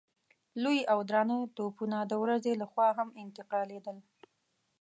لوی او درانه توپونه د ورځې له خوا هم انتقالېدل.